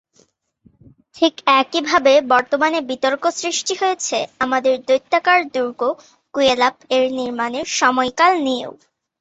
ঠিক একইভাবে বর্তমানে বিতর্ক সৃষ্টি হয়েছে তাদের দৈত্যাকার দুর্গ "কুয়েলাপ"এর নির্মাণের সময়কাল নিয়েও।